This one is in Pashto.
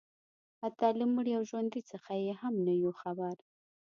حتی له مړي او ژوندي څخه یې هم نه یو خبر